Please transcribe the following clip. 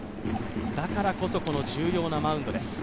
だからこそ重要なマウンドです。